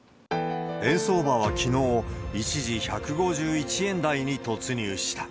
円相場はきのう、一時１５１円台に突入した。